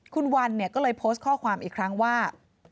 คุณวันเนี่ยก็เลยโพสต์ข้อความอีกครั้งว่า